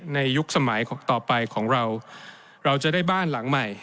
ยุคสมัยต่อไปของเราเราจะได้บ้านหลังใหม่